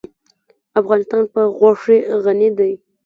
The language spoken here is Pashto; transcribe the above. افغانستان په غوښې غني دی.